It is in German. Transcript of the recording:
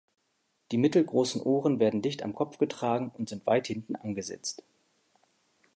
Die mittelgroßen Ohren werden dicht am Kopf getragen und sind weit hinten angesetzt.